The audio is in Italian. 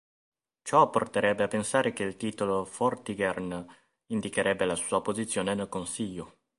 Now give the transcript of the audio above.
Ciò porterebbe a pensare che il titolo Vortigern indicherebbe la sua posizione nel consiglio.